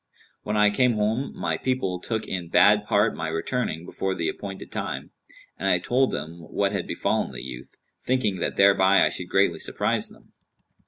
When I came home, my people took in bad part my returning before the appointed time, and I told them what had befallen the youth, thinking that thereby I should greatly surprise them.